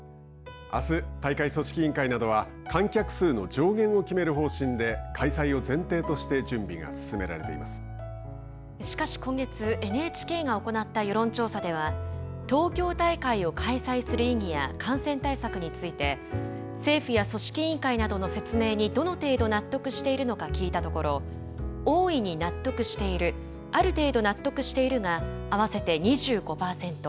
あす、大会組織委員会などは観客数の上限を決める方針で開催を前提としてしかし、今月ＮＨＫが行った世論調査では東京大会を開催する意義や感染対策について政府や組織委員会などの説明にどの程度納得しているのか聞いたところ大いに納得しているある程度納得しているが合わせて２５％。